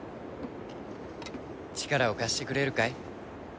力を貸してくれるかい？